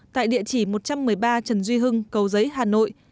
tại địa chỉ một trăm một mươi ba trần duy hưng cầu giấy hà nội